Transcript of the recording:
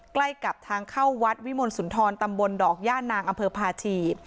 ใกล้กับทางเข้าวัดวิมลสุนทรตำบลดอกย่านางอำเภอภาชี